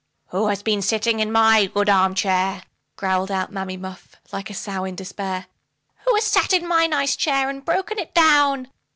"WHO HAS BEEN SITTING IN MY GOOD ARM CHAIR?" Growled out Mammy Muff, like a sow in despair. "WHO HAS SAT IN MY NICE CHAIR, AND BROKEN IT DOWN?"